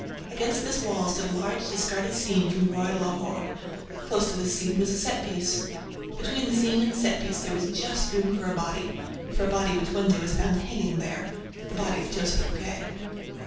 Against this wall stood a large discarded scene from the ROI DE LAHORE. Close to this scene was a set piece. Between the scene and the set piece there was just room for a body ... for a body which one day was found hanging there. The body of Joseph Buquet.